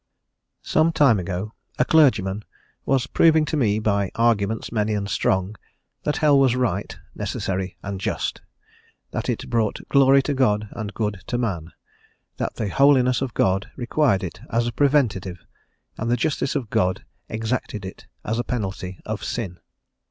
SOME time ago a Clergyman was proving to me by arguments many and strong that hell was right, necessary and just; that it brought glory to God and good to man; that the holiness of God required it as a preventive, and the justice of God exacted it as a penalty, of sin.